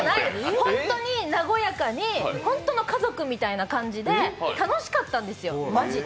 本当に和やかに本当の家族みたいな感じで楽しかったんですよ、まじで。